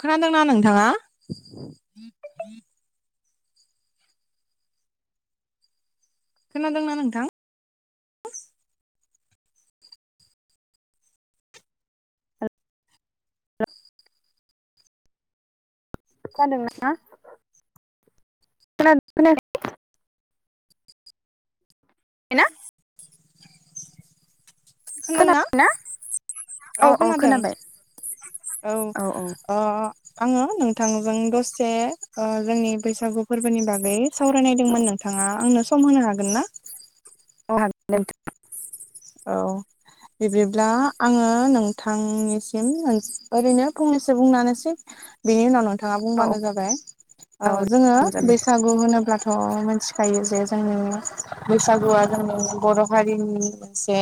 खोनादोंना नोंथाङा खोनादोंना नोंथां खोनादोंना खोनादों ना खोनायाखै [unintelligible] खोनादों ना औ खोनादों औ अ आङो नोंथांजों दसे ओ जोंनि बैसागु फोरबोनि बागै सावरायनायदोंमोन नोंथाङा आंनो सम होनो हागोन ना [unintelligible] औ बिब्दिब्ला आङो नोंथांनिसिम मोन ओरैनो फंनैसो बुंनानैसै बेनि उनाव नोंथाङा औ बुंबानो जाबाय ओ औ जोङो जागोन दे बैसाग गु होनोब्लाथ' मिथिखायो जे जोंनि बैसागुआ जोंनि बर' हारिनि से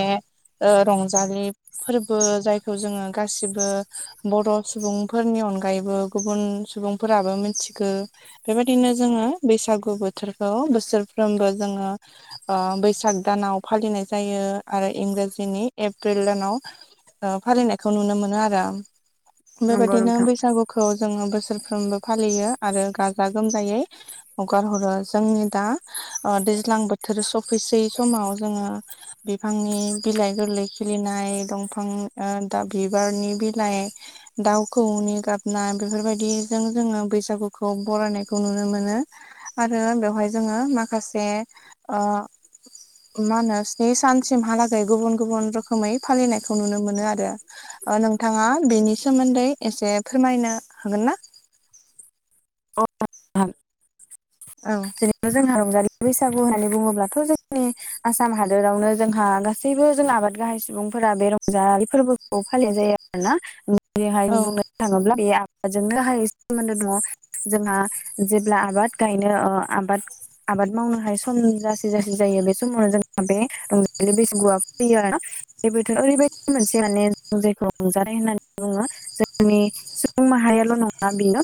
रंजालि फोरबो जायखौ जोङो गासिबो बर' सुबुंफोरनि अनगायैबो गुबुन सुबुंफोराबो मिनथिगो बेबायदिनो जोङो बैसागु बोथोरखौ बोसोरफ्रोमबो जोङो ओ बैसाग दानाव फालिनाय जायो आरो इंराजिनि एप्रिल दानाव ओ फालिनायखौ नुनो मोनो आरो नंगौ बेबायदिनो नोंथां बैसागुखौ जोङो बोसोरफ्रोमबो फालियो आरो गाजा गोमजायै हगार हरो जोंनि दा ओ जोङो दैज्लां बोथोर सफैसै समाव जोङो बिफांनि बिलाइ गोरलै खिलिनाय दंफां ओ दा बिबारनि बिलाइ दाउखौनि गाबनाय बेफोरबायदिजों जोङो बैसागुखौ बरायनायखौ नुनो मोनो आरो बेवहाय जोङो माखासे ओ मानो बे सानसिमहालागै गुबुन गुबुन रोखोमै फालिनायखौ नुनो मोनो आरो ओ नोंथाङा बिनि सोमोन्दै एसे फोरमायनो हागोन ना [unintelligible] औ जेनबा जोंहा रंजालि बैसागु होननानै बुङोब्लाथ' जोंनि आसाम हादोरावनो जोंहा गा सैबो जों आबाद गाहाय सुबुंफोरा बे रंजालि फोरबोखौ फालिनाय जायो आरो ना बेहाय औ बुंनो थाङोब्ला बे आबादजोंनो हाय सोमोनदो दङ जोंहा जेब्ला आबाद गायनो ओ आबाद आबाद मावनो हाय सम जासि जाससि जायो बे समावनो जोंहा बे रंजालि बैसुआ फैयो आरो बेबोथ' ओरैबायदि मोनसे माने जों जायखौ रंजानाय होननानै बुङो जोंनि सुबुं माहारियाल' नङा बेनो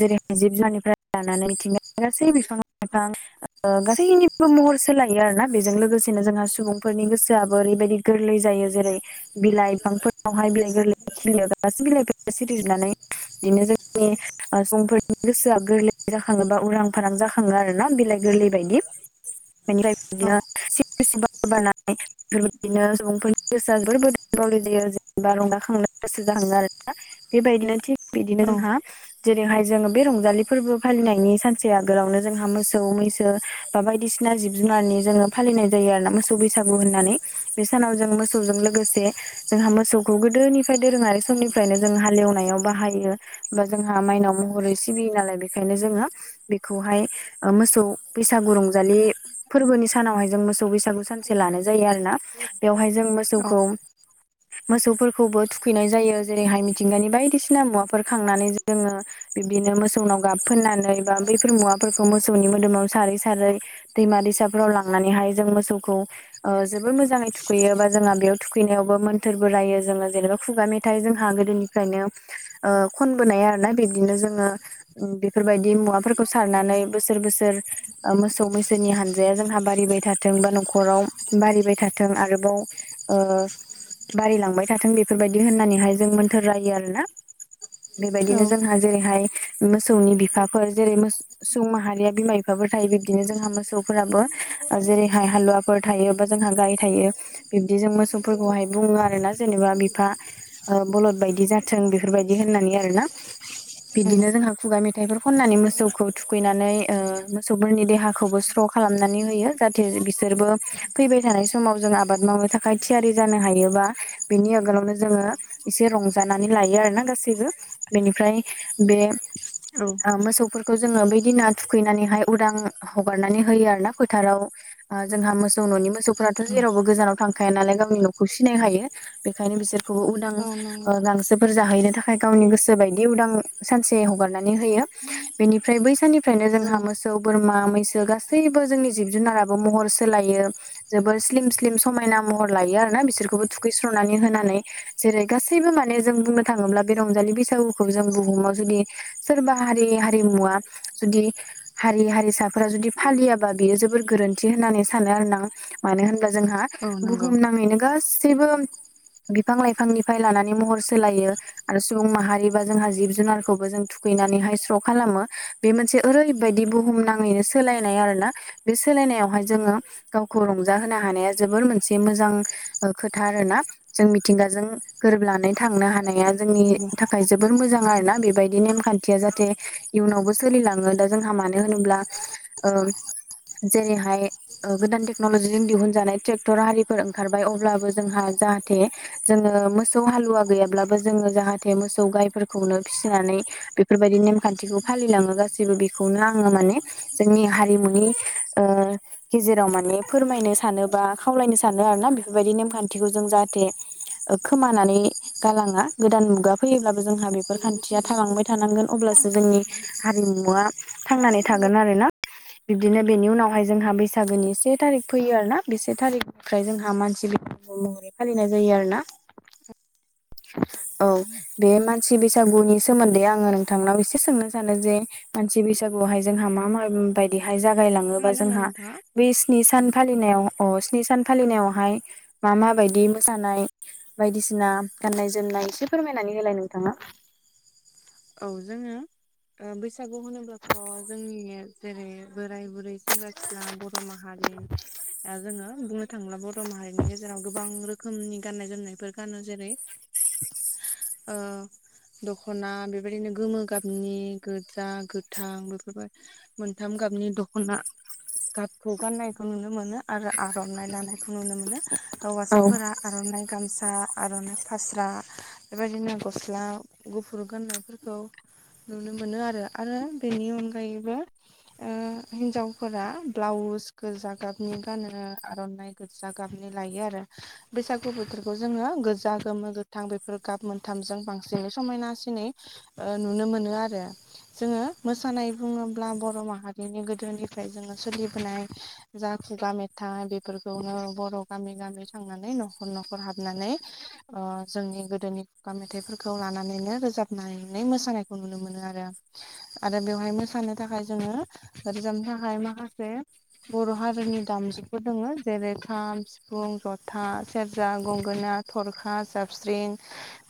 जेरै जिब जुननिफ्राय लानानै बिथिं गासै बिफां लाइफां ओ गासैनिबो महर सोलायो आर ना बेजों लोगोसेनो जोंहा सुबुंफोरनि गोसोआबो ओरैबायदि गोरलै जायो जेरै बिलाइ बिफांफोरावहाय बिलाइ गोरलै खिनियाव बिलाइ सिरिनानै बिदिनो जोंनि ओ सुबुंफोरनि गोसोआ गोरलै जाखाङो बा उरां फारां जाखाङो आर ना बिलाइ गोरलै बायदि बेनिफ्राय औ बिदिनो सि सि बारनाय बे बिदिनो सुबुंफोरनि गोसोआ बावलि जायो जेनेबा रंद खांनो गोसो जाहाङो आरो बेबायदिनो थिग बिदिनो औ जोंहा जेरैहाय जोङो बे रंजालि फोरबो फालिनायनि सानसे आगोलावनो जोंहा मोसौ मैसो बा बायदिसिना जिब जुनारनि जोङो फालिनाय जायो आरो ना मोसौ बैसागु होननानै बे सानाव जों मोसौ समजों लोगोसे जोंहा मोसौखौ गोदोनिफ्राय दोरोङारि समनिफ्रायनो जों हालेवनायाव बाहायो। बा जों जोंहा माइनाव महरै सिबियो नालाय बेखायनो जोङो बेखौहाय मोसौ बैसागु रंजालि फोरबोनि सानावहाय जों मोसौ बैसागु सानसे लानाय जायो आरोना बेवहाय जों मोसौखौ मोसौफोरखौबो थुखैनाय जायो जेरैहाय मिथिंगानि बायदिसिना मुवाफोर खांनानै जों जोङो बिब्दिनो मोसौनाव गाब फोननानै बा बैफोर मुवाफोरखौ मोसौनि मोदोमाव सारै सारै दैमा दैसाफोराव लांनानैहाय जों मोसौखौ ओ जोबोर मोजाङै थुखैयो बा जोंहा बेयाव थुखैनायावबो मोन्थोरबो रायो जोङो जेनेबा खुगा मेथाइ जोंहा गोदोनि फ्रायनो ओ खनबोनाय आरोना बिदिनो जोङो बेफोरबायदि मुवाफोरखौ सारनानै बोसोर बोसोर मोसौ मैसोनि हानजाया जोंहा बारिबाय था थों बा न'खराव बारिबाय थाथों आरोबाव ओ बारियलांबाय थाथों बेफोरबायदि होननानैहाय जों मोन्थोर रायो आरोना। बेबायदिनो औ जोंहा जेरैहाय मोसौनि बिफाफोर जेरै सुबुं माहारिया बिमा बिफाफोर थायो बिब्दिनो जोंहा मोसौ फोराबो जेरैहाय हालुवाफोर थायो बा जोंहा गाइ थायो बिब्दि जों मोसौफोरखौहाय बुङो आरो ना जेनेबा बिफा ओ बलद बायदि जाथों बेफोरबायदि होननानै आरो ना [unintelligible] बिदिनो जोंहा खुगा मेथाइफोर खननानै मोसौखौ थुखैनानै ओ मोसौफोरनि देहाखौबो स्र' खालामनानै होयो जाहाथे बिसोरबो फैबाय थानाय समाव जों आबाद मावनो थाखाय थियारि जानो हायोबा बिनि आगोलावनो जोङो एसे रंजानानै लायो आरोना गासैबो बेनिफ्राय बे औ ओ मोसौफोरखौ जोङो बैदिना थुखैनानैहाय उदां हगारनानै होयो आरो ना फोथाराव ओ जोंहा मोसौ न'नि मोसौफोराथ' औ जेरावबो गोजानाव थांखाया नालाय गावनि न'खौ सिनायनो हायो बेखायनो बिसोरखौबो उदां औ ओ नंगौ गांसोफोर जाहैनो थाखाय गावनि गोसो बायदि उदां सानसे हगारनानै होयो। बेनिफ्राय बै साननिफ्रायनो जोंहा मोसौ बोरमा मैसो गासैबो जोंनि जिब जुनाराबो महर सोलायो जोबोर स्लिम स्लिम समायना महर लायो आरो ना बिसोरखौबो थुखैस्रनानै होनानै जेरै गासैबो माने जों बुंनो थाङोब्ला बे रंजालि बैसागुखौ जों बुहुमाव जुदि सोरबा हारि हारिमुवा जुदि हारि-हारिसाफोरा जुदि फालियाबा बियो जोबोर गोरोन्थि होननानै सानो आरो ना मानो होनब्ला जोंहा औ नंगौ बुहुम नाङैनो गासैबो बिफां-लाइफांनिफ्राय लानानै महर सोलायो आरो सुबुं माहारिबा जोंहा जिब-जुनारखौबो जों थुखैनानैहाय स्र' खालामो बे मोनसे ओरैबायदि बुहुमाङैनो सोलायनाय आरो ना बे सोलायनायावहाय जोङो गावखौ रंजाहोनो हानाया जोबोर मोनसे मोजां ओ खोथा आरोना। जों मिथिंगाजों गोरोबनानै थांनो हानाया औ जोंनि नंगौ थाखाय जोबोर मोजां आरोना बेबायदि नेमखान्थिया जाहाथे इयुनावबो सोलिलाङो दा जोंहा मानो होनोब्ला ओ जेरैहाय गोदान टेक्न'लजिजों दिहुनजानाय ट्रेक्टर आरिफोर ओंखारबाय अब्लाबो जोंहा जाहाथे जोङो मोसौ हालुवा गैयाब्लाबो जोङो जाहाथे मोसौ गायफोरखौनो फिसिनानै बेफोरबायदि नेमखान्थिखौ फालिलाङो गासैबो बेखौनो आङो माने जोंनि हारिमुनि ओ [inaudible] गेजेराव माने फोरमायनो सानो बा खावलायनो सानो आरो ना बेफोरबायदि नेमखान्थिखौ जों जाहाथे ओ खोमानानै गालाङा गोदान मुगा फैयोब्लाबो जोंहा बे फोर खान्थिया थालांबाय थानांगोन अब्लासो जोंनि हारिमुवा थांनानै थागोन आरो ना। बिब्दिनो बेनि उनावहाय जोंहा बैसागोनि से थारिख फैयो आरो ना‌‌। बे से थारिख निफ्राय जोंहा मानसि बैसागु महरै फालिनाय जायो आरो ना औ बे मानसि बैसागुनि सोमोन्दै आङो नोंथांनाव एसे सोंनो सानो जे मानसि बैसागुआवहाय जोंहा मा मा बायदिहाय जागायलाङोबा खोनादोंना जोंहा नोंथाङा बै स्नि सान फालिनायाव अ स्नि सान फालिनायावहाय मा मा बायदि मोसानाय बायदिसिना गाननाय जोमनाय एसे फोरमायनानै होलाय नोंथाङा औ जोङो बैसागु होनोब्लाथ' जोंनि जेरै बोराय बुरै सेंग्रा सिख्ला बर' माहारि जोङो बुंनो थाङोब्ला बर' माहारिनि गेजेराव गोबां रोखोमनि गाननाय जोमनायफोर गानो जेरै ओ दख'ना बेबायदिनो गोमो गाबनि गोजा गोथां बेफोरबाय मोनथाम गाबनि दख'ना गाबखौ गान्नायखौ नुनो मोनो आरो आर'नाइ लानायखौ नुनो मोनो औ हौवासाफोरा आर'नाइ गामसा आर'नाइ फास्रा बेबायदिनो गस्ला गुफुर गाननायफोरखौ नुनो मोनो आरो आरो बेनि अनगायैबो हिन्जावफोरा ब्लाउस गोजा गाबनि गानो आर'नाइ गोजा गाबनि लायो आरो बैसागु बोथोरखौ जोङो गोजा गोमो गोथां बे फोर गाब मोनथामजों बांसिनै समायनासिनै नुनो मोनो आरो जोङो मोसानाय बुङोब्ला बर' माहारिनि गोदोनिफ्राय जोङो सोलिबोनाय जा खुगा मेथाइ बेफोरखौनो बर' गामि गामि थांनानै न'खर न'खर हाबनानै ओ जोंनि गोद दोनि खुगा मेथाइफोरखौ लानानैनो रोजाबनानै मोसानायखौ नुनो मोनो आरो आरो बेवहाय मोसानो थाखाय जोङो रोजाबनो थाखाय माखासे बर' हारिनि दामजुफोर दङ जेरै खाम सिफुं जथा सेरजा गंगोना थरखा जाबस्रिं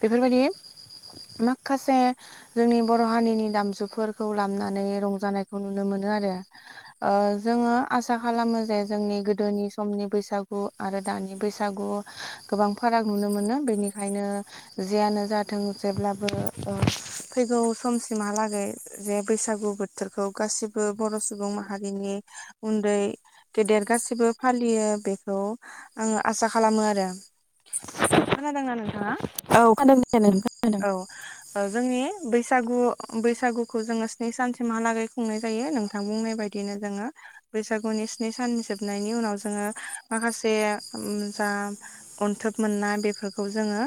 बेफोरबायदि माखासे जोंनि बर' हारिनि दामजुफोरखौ लामनानै रंजानायखौ नुनो मोनो आरो जोङो आसा खालामो जे जोंनि गोदोनि समनि बैसागु आरो दानि बैसागु गोबां फाराग नुनो मोनो बेनिखायनो जियानो जाथों जेब्लाबो फैगौ समसिमहालागै जे बैसागु बोथोरखौ गासिबो बर' सुबुं माहारिनि उन्दै गेदेर गासिबो फालियो बेखौ आङो आसा खालामो आरो खोनादोंना नोंथाङा औ [inaudible] औ जोंनि बैसागु बैसागुखौ जोङो स्नि सानसिमहालागै खुंनाय जायो नोंथां बुंनाय बाय दिनो जोङो बैसागुनि स्नि साननि जोबनायनि उनाव जोङो माखासे जा अनथोब मोननाय बेफोरखौ जोङो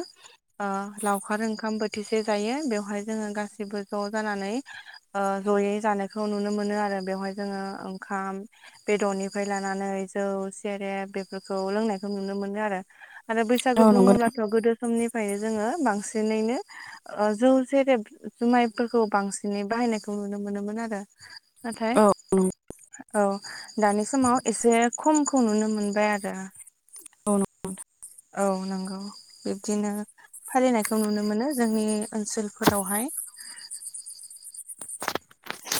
लाव खार ओंखाम बोथिसे जायो बेवहाय जोङो गासैबो ज' जानानै जयै जानायखौ नुनो मोनो आरो बेवहाय जोङो ओंखाम बेदरनिफ्राय लानानै जौ सेरेब बेफोरखौ लोंनायखौ नुनो मोनो आरो आरो बैसागु औ नंगौ नोंथां बुङोब्लाथ' गोदो समनिफ्रायनो जोङो बांसिनैनो जौ जेरेब जुमायफोरखौ बांसिनै बाहायनायखौ नुनो मोनोमोन आरो नाथाय औ नंगौ औ दानि समाव एसे खमखौ नुनो मोनबाय आरो औ औ नंगौ बिब्दिनो फालिनायखौ नुनो मोनो जोंनि ओनसोलफोरावहाय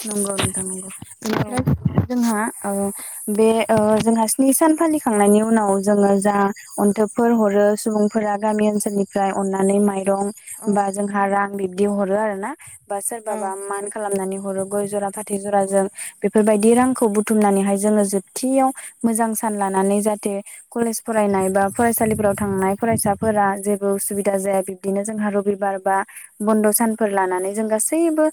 नंगौ नंथां नंगौ औ बेनिफ्राय जोंहा बे ओ जोंहा स्नि सान फालि खांनायनि उनाव जोङो जा अन्थोबफोर हरो सुबुंफोरा गामि ओनसोलनिफ्राय अननानै माइ दं औ औ गय जरा फाथै जराजों बेफोरबायदि रांखौ बुथुमनानैहाय जोङो जोबथियाव मोजां सान लानानै जाहाथे कलेज फरायनाय बा फरायसालिफोराव थांनाय फरायसाफोरा जेबो उसुबिदा जाया बिदिनो जोंहा रबिबार बा बन्द' सानफोर लानानै जों गासैबो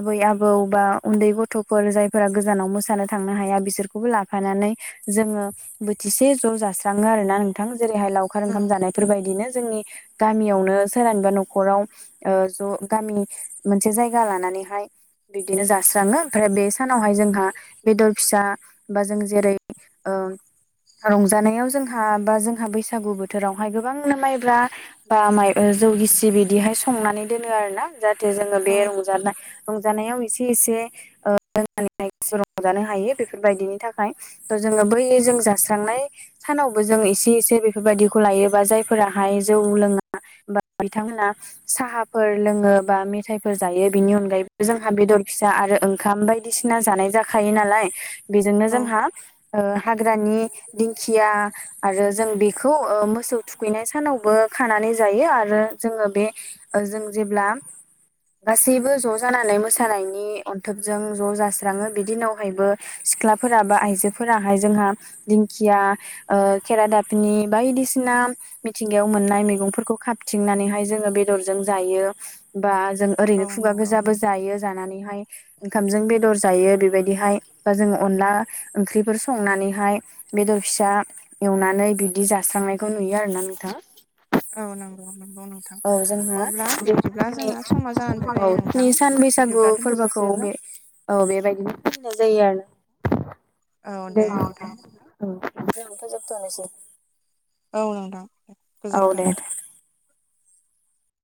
आबै आबौ बा उन्दै गथ'फोर जायफोरा गोजानाव मोसानो थांनो हाया बिसोरखौबो लाफानानै जोङो बोथिसे ज' जास्राङो आरो ना नोंथां जेरैहाय लावखार औ ओंखाम जानाय बेफोरबायदिनो जोंनि गामियावनो सोरानिबा न'खराव ज' गामि मोनसे जायगा लानानैहाय बिब्दिनो जास्राङो ओमफ्राय बे सानावहाय जोंहा बेदर फिसा बा जों जेरै ओ रंजानायाव जोंहा बा जोंहा बैसागु बोथोरावहाय गोबांनो माइब्रा बा माइ जौ गिसि बिदिहाय संनानै दोनो आरो ना औ जाहाथे रंजानायाव एसे एसे [unintelligible] रंजानो हायो बेफोरबायदिनि थाखाय ओ जोङो बै जों जास्रांनाय सानावबो जों एसे एसे बेफोरबायदिखौ लायोबा जायफोराहाय जौ लोङा बा बिथांमोना साहाफोर लोङो बा मेथाइफोर जायो बिनि अनगायैबो जोंहा बेदर फिसा आरो ओंखाम बायदिसिना जानाय जाखायो नालाय बेजोंनो औ जोंहा हाग्रानि दिंखिया आरो जों बेखौ मोसौ थुखैनाय सानावबो खानानै जायो आरो जोङो बे ओ जों जेब्ला गासैबो ज' जा जानानै मोसानायनि अनथोबजों ज' जास्राङो बि दिनावहायबो सिख्लाफोरा बा आइजोफोराहाय जोंहा दिंखिया खेराादाबनि बायदिसिना मिथिंगायाव मोननाय मैगंफोरखौ खाबथिंनानैहाय जोङो बेदरजों जायो बा जों औ ओरैनो खुगा नंगौ गोजाबो जायो जानानैहाय ओंखामजों बेदर जायो बेबायदिहाय बा जोङ अनला ओंख्रिफोर संनानैहाय बेदर फिसा एवनानै बिदि जास्रांनायखौ नुयो आरोना नोंथाङा औ नंगौ नंगौ नंगौ। नोंथां औ जोंहा अब्ला बे बिब्दिब्ला जोंना समा जानानै औ फैबाय नोंथां स्नि सान बैसागु बिब्दिब्ला दोन्थ' फोरबोखौ जासिगोनना? बे औ बेबायदिनो होननाय जायो आरो औ दे नोंथां दे फोजोबथ'नोसै। औ नोंथां। औ गोजोन्थों दे दे